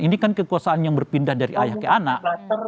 ini kan kekuasaan yang berpindah dari ayah ke anak